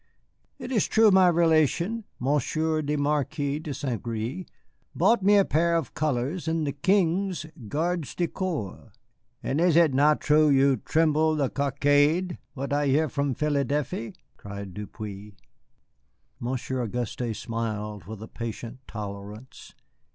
It is true my relation, Monsieur le Marquis de St. Gré, bought me a pair of colors in the King's gardes du corps." "And is it not truth you tremple the coackade, what I hear from Philadelphe?" cried Depeau. Monsieur Auguste smiled with a patient tolerance.